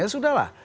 ya sudah lah